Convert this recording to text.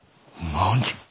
何！